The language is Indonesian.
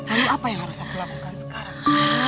lalu apa yang harus aku lakukan sekarang